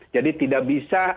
jadi tidak bisa